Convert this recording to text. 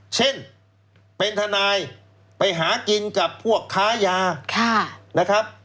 เช่นเป็นทนายไปหากินกับพวกค้ายานะครับ